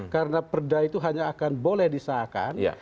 karena perda itu hanya akan boleh disahakan